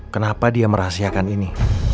kenapa dia merahasiakan ini